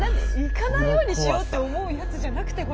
行かないようにしようって思うやつじゃなくて？